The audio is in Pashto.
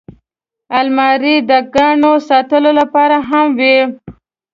الماري د ګاڼو ساتلو لپاره هم وي